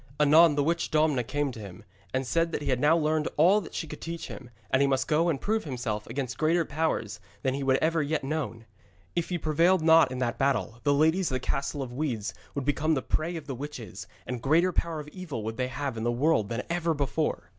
Anon the witch Domna came to him, and said that he had now learned all that she could teach him, and he must go and prove himself against greater powers than he had ever yet known. If he prevailed not in that battle, the ladies of the Castle of Weeds would become the prey of the witches, and greater power of evil would they have in the world than ever before.